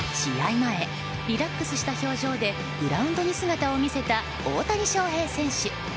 前、リラックスした表情でグラウンドに姿を見せた大谷翔平選手。